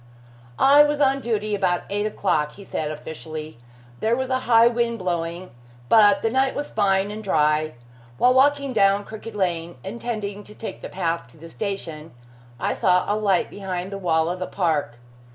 "I was on duty about eight o'clock," he said officially. "There was a high wind blowing, but the night was fine and dry. While walking down Crooked Lane, intending to take the path to the station, I saw a light behind the wall of the park.